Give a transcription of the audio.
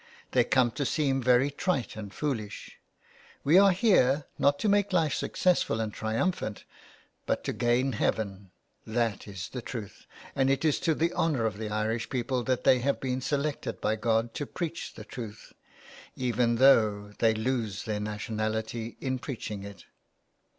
They come to seem very trite and foolish. We are here, not to make life successful and triumphant, but to gain heaven. That is the truth, and it is to the honour of the Irish people that they have been selected by God to preach the truth, even though 234 A PLAY HOUSE IN THE WASTE. they lose their nationality in preaching it.